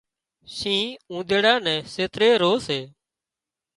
شينهن اُونۮيڙا نين سيتري رو سي